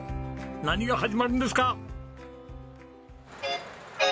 何が始まるんですか？